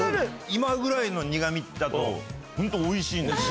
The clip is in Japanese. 今ぐらいの苦味だとホントおいしいんですよ。